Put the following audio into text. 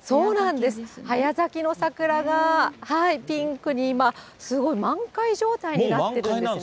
そうなんです、早咲きの桜がピンクに今、すごい満開状態になってるんですね。